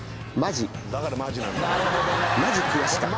マジくやしかった。